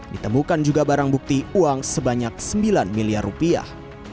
ditemukan juga barang bukti uang sebanyak sembilan miliar rupiah